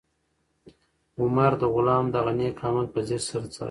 عمر د غلام دغه نېک عمل په ځیر سره څاره.